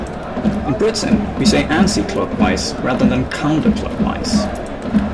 In Britain we say Anti-clockwise rather than Counterclockwise